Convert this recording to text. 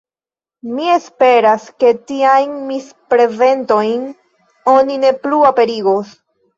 Mi esperas, ke tiajn misprezentojn oni ne plu aperigos.